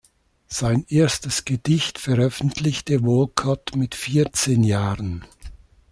Sein erstes Gedicht veröffentlichte Walcott mit vierzehn Jahren.